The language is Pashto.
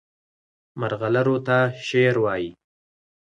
مرغلرو ته شعر وایي.